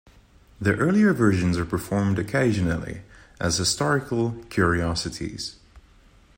The earlier versions are performed occasionally as historical curiosities.